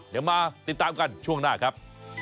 เดี๋ยวมาติดตามกันช่วงหน้าครับ